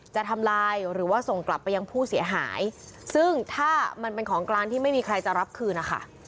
จะทำลายหรือว่าส่งกลับไปยังผู้เสียหายซึ่งถ้ามันเป็นของกลางที่ไม่มีใครจะรับคืนนะคะ